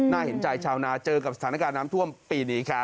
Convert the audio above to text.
เห็นใจชาวนาเจอกับสถานการณ์น้ำท่วมปีนี้ครับ